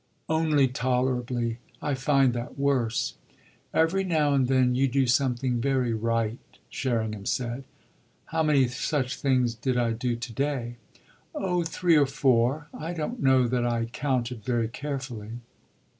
"Only tolerably! I find that worse." "Every now and then you do something very right," Sherringham said. "How many such things did I do to day?" "Oh three or four. I don't know that I counted very carefully."